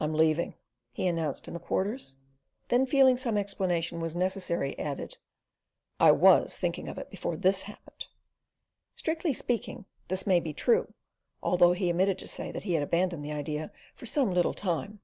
"I'm leaving," he announced in the Quarters; then, feeling some explanation was necessary, added, "I WAS thinking of it before this happened." Strictly speaking, this may be true, although he omitted to say that he had abandoned the idea for some little time.